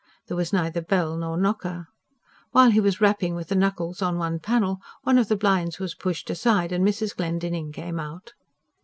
There was neither bell nor knocker. While he was rapping with the knuckles on the panel, one of the blinds was pushed aside and Mrs. Glendinning came out.